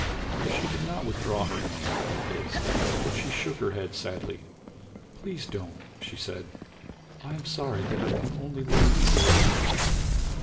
She did not withdraw her hand from his but she shook her head sadly. "Please don't," she said. "I am sorry that I can only like you very much."